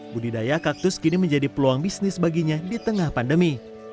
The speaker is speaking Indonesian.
budidaya kaktus kini menjadi peluang bisnis baginya di tengah pandemi